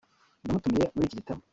ndamutumiye muri iki gitaramo"